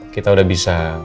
kita udah bisa